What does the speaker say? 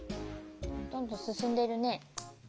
どんどんすすんでるね。